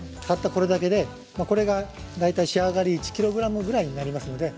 たったこれだけで大体、仕上がり１ｋｇぐらいになります。